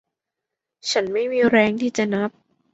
ฉันไม่มีแรงที่จะนับ